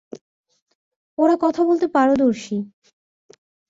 ওরা কথা বলতে পারদর্শী।